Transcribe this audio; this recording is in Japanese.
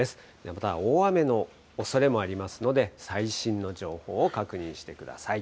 また大雨のおそれもありますので、最新の情報を確認してください。